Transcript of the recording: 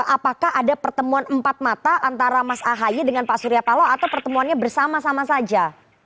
apakah ada pertemuan empat mata antara mas ahy dengan pak surya paloh atau pertemuannya bersama sama saja